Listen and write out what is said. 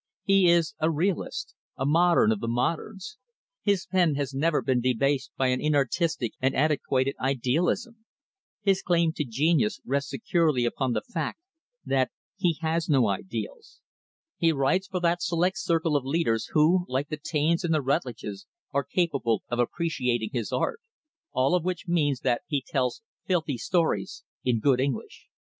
He is a realist a modern of the moderns. His pen has never been debased by an inartistic and antiquated idealism. His claim to genius rests securely upon the fact that he has no ideals. He writes for that select circle of leaders who, like the Taines and the Rutlidges, are capable of appreciating his art. All of which means that he tells filthy stories in good English.